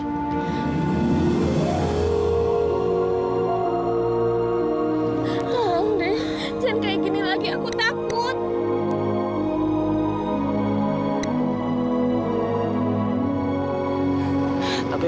jangan deh jangan kayak gini lagi aku takut